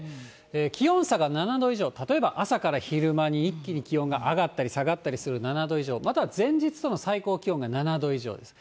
気温差が７度以上、例えば朝から昼間に一気に気温が上がったり下がったりする７度以上、または前日との最高気温が７度以上です。